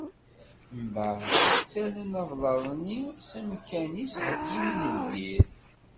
Mbeɛd, ttarran ablaḍ-nni s amkan-is, ɣef yimi n lbir.